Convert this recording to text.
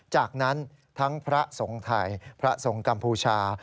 จากนั้นทั้งพระสงฆ์ไทยพระสงฆ์กัมพูชา